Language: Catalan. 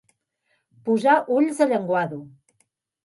Posar ulls de llenguado.